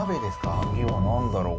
次は何だろう？